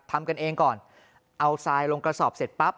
ทำกันเองก่อนเอาทรายลงกระสอบเสร็จปั๊บ